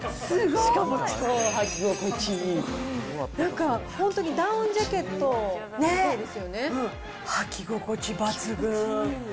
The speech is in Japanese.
しかも、なんか本当にダウンジャケッ履き心地抜群。